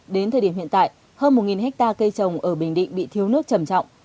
đến thời điểm hiện tại hơn một hectare cây trồng ở bình định bị thiếu nước trầm trọng